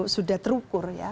sudah terukur ya